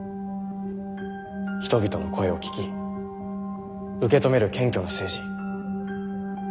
人々の声を聞き受け止める謙虚な政治。